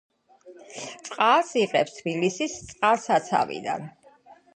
წყალს იღებს თბილისის წყალსაცავიდან.